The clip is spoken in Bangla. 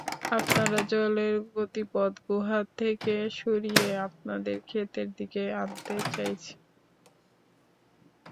আমরা জলের গতিপথ গুহা থেকে সরিয়ে আপনাদের ক্ষেতের দিকে আনতে চাইছি।